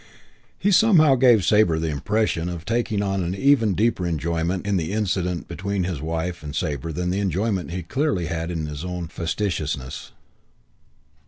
He somehow gave Sabre the impression of taking an even deeper enjoyment in the incident between his wife and Sabre than the enjoyment he clearly had in his own facetiousness.